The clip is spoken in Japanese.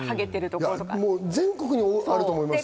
全国にあると思いますよ。